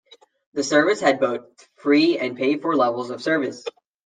The service had both free and pay-for levels of service.